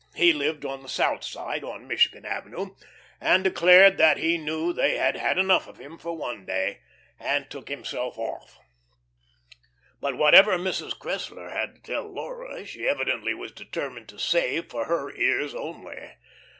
He lived on the South Side, on Michigan Avenue, and declaring that he knew they had had enough of him for one day, took himself off. But whatever Mrs. Cressler had to tell Laura, she evidently was determined to save for her ears only.